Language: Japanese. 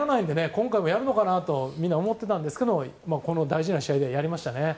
今回もやるのかなとみんな思っていたんですけどこの大事な試合でやりましたね。